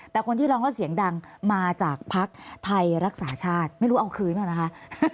แต่คนที่ร้องแล้วเสียงดังมาจากภักดิ์ไทยรักษาชาติไม่รู้เอาคืนเปล่านะคะ